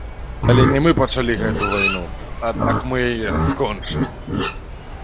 Але не мы пачалі гэтую вайну, аднак мы яе скончым.